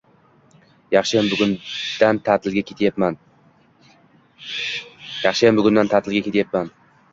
Yaxshiyam, bugundan ta`tilga ketyapman